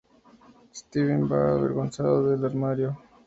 Steven se va avergonzado del armario.